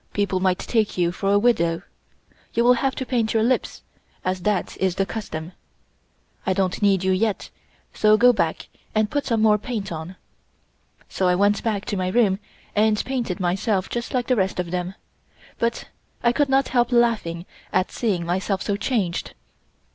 People might take you for a widow. You will have to paint your lips, as that is the custom. I don't need you yet, so go back and put some more paint on." So I went back to my room and painted myself just like the rest of them, but I could not help laughing at seeing myself so changed.